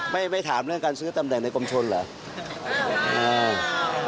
ไม่ถามเรื่องการซื้อตำแหน่งในกรมชนเหรอ